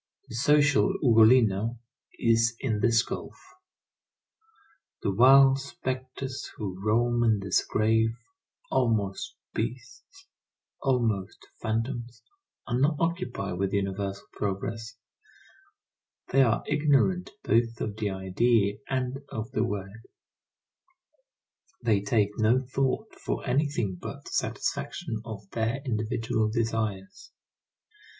The social Ugolino is in this gulf. The wild spectres who roam in this grave, almost beasts, almost phantoms, are not occupied with universal progress; they are ignorant both of the idea and of the word; they take no thought for anything but the satisfaction of their individual desires.